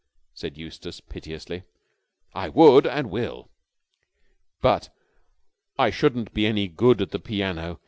said Eustace piteously. "I would and will." "But I shouldn't be any good at the piano.